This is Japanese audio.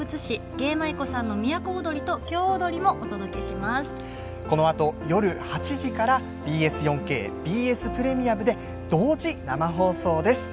芸舞妓さんの「都をどり」と「京おどり」もこのあと夜８時からＢＳ４Ｋ、ＢＳプレミアムで同時生放送です。